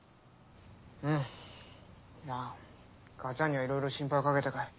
うんいや母ちゃんにはいろいろ心配かけたかい。